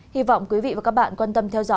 hy vọng quý vị và các bạn quan tâm theo dõi